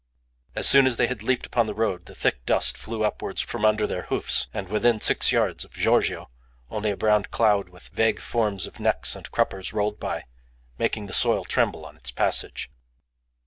As soon as they had leaped upon the road the thick dust flew upwards from under their hoofs, and within six yards of Giorgio only a brown cloud with vague forms of necks and cruppers rolled by, making the soil tremble on its passage.